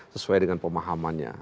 sesuai dengan pemahamannya